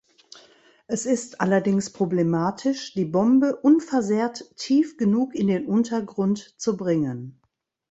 Es ist allerdings problematisch, die Bombe unversehrt tief genug in den Untergrund zu bringen.